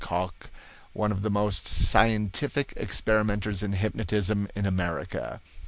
Cocke, one of the most scientific experimenters in hypnotism in America.